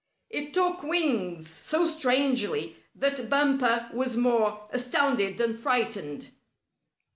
It took wings so strangely that Bumper was more astounded than frightened.